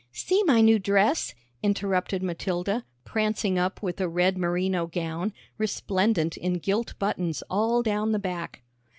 "See my new dress," interrupted Matilda, prancing up with a red merino gown, resplendent in gilt buttons all down the back.